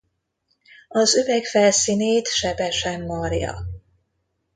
Az üveg felszínét sebesen marja.